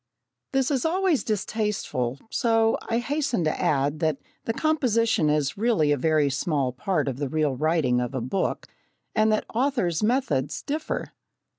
This is always distasteful, so I hasten to add that the composition is really a very small part of the real writing of a book, and that authors' methods differ.